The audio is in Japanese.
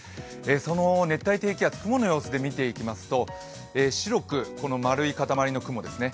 その熱帯低気圧雲の様子で見ていきますと白く丸い塊の雲ですね。